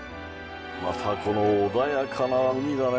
またこの穏やかな海だね。